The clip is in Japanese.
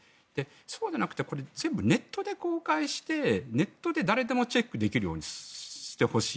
そうでなくて全部ネットで公開してネットで誰でもチェックできるようにしてほしい。